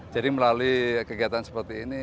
jadi melalui kegiatan seperti ini